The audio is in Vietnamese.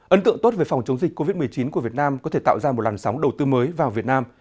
ấn tượng tốt về phòng chống dịch covid một mươi chín của việt nam có thể tạo ra một làn sóng đầu tư mới vào việt nam